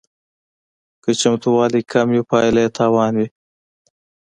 که چمتووالی کم وي پایله یې تاوان وي